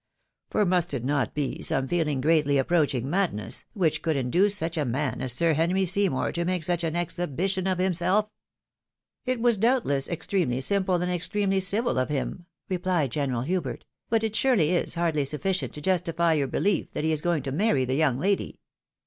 For must it not be some feeling greatly ap proaching madness, which could induce such a man as Sir Henry Seymour to make such an exhibition of himself? "" It was doubtless extremely simple, and extremely civil of liim," replied General Hubert, " but it surely is hardly sufficient to justify your behef that he is going to marry the young lady."